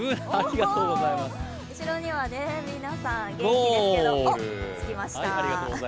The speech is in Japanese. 後ろには皆さん、元気ですけど、着きました。